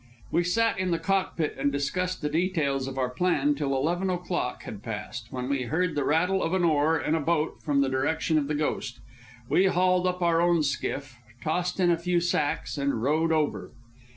We sat in the cockpit and discussed the details of our plan till eleven o'clock had passed, when we heard the rattle of an oar in a boat from the direction of the Ghost. We hauled up our own skiff, tossed in a few sacks, and rowed over.